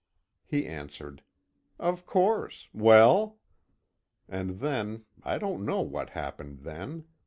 He answered: "Of course well?" And then I don't know what happened then.